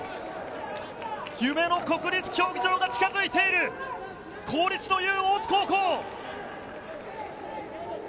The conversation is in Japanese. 夢の国立競技場が近づいている公立の雄・大津高校。